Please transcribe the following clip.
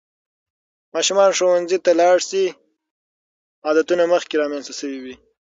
ماشومان ښوونځي ته لاړ شي، عادتونه مخکې رامنځته شوي وي.